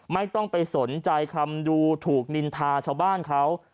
ไม่ต้องไปสนใจคำดูถูกนินทาชาวบ้านเขา